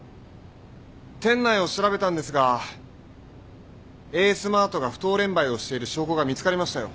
店内を調べたんですがエースマートが不当廉売をしている証拠が見つかりましたよ。